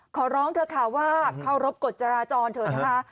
ขอร้องเถอะค่ะว่าเคารพกฎจราจรเถอะนะคะ